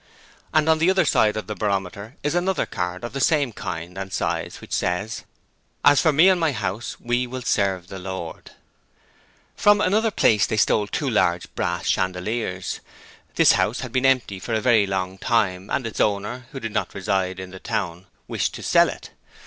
And on the other side of the barometer is another card of the same kind and size which says: 'As for me and my house we will serve the Lord.' From another place they stole two large brass chandeliers. This house had been empty for a very long time, and its owner who did not reside in the town wished to sell it.